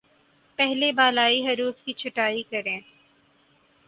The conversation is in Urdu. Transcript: پہلے بالائی حروف کی چھٹائی کریں